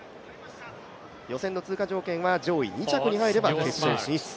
予選の通過条件は上位２着に入れば決勝進出。